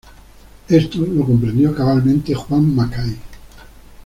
Esto lo comprendió cabalmente Juan Mackay.